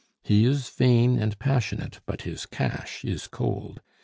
He is vain and passionate; but his cash is cold.